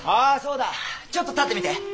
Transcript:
ああそうだちょっと立ってみて。